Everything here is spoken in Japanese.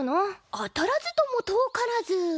当たらずとも遠からず。